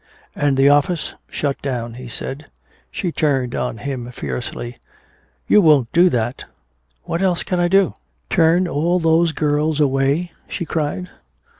"And the office?" "Shut down," he said. She turned on him fiercely. "You won't do that!" "What else can I do?" "Turn all those girls away?" she cried.